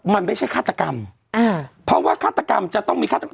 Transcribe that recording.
มันไม่ใช่ฆาตกรรมอ่าเพราะว่าฆาตกรรมจะต้องมีฆาตกรรม